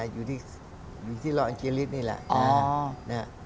อยู่ที่รอแอนเจริสนี่แหละ